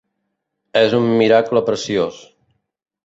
És un miracle preciós.